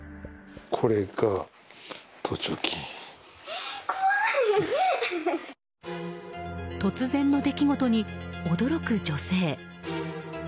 突然の出来事に驚く女性。